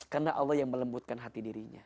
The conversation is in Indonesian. karena allah yang melembutkan hati dirinya